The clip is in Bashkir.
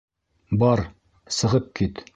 Бар, сығып кит!